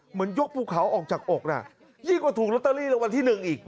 เหมือนยกภูเขาออกจากอกน่ะยิ่งกว่าถูกลอตเตอรี่รางวัลที่๑อีก